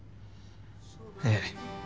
ええ。